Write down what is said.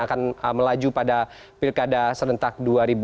akan melaju pada pilkada serentak dua ribu dua puluh